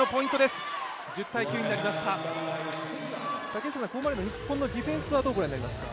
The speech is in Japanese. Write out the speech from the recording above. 竹下さん、ここまでの日本のディフェンスはどうご覧になりますか？